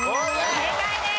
正解です。